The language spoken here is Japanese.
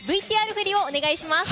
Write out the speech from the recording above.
ＶＴＲ振りをお願いします。